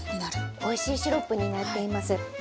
おいしいシロップになっています。